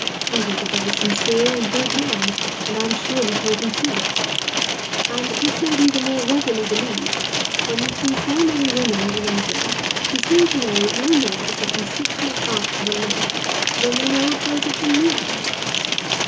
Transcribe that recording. He was a very sincere and good man, and I am sure he told me truth. And this may be the more readily believed, when we see so many women in England, who seem to know no more of the constituent parts of a loaf than they know of those of the moon.